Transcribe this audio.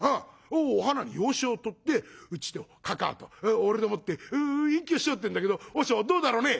お花に養子をとってうちのかかあと俺でもって隠居しようっていうんだけど和尚どうだろうね？」。